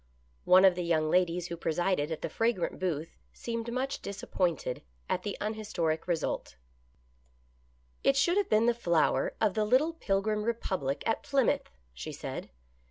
One of the young ladies who presided at the fragrant booth seemed much disappointed at the unhistoric result. " It should have been the flower of the little 104 THE pilgrims' EASTER LILY. 105 Pilgrim Republic at Plymouth," she said.